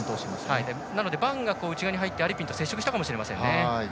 なのでバンが内側に入ってアリピンと接触したかもしれません。